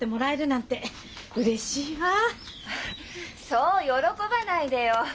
そう喜ばないでよ。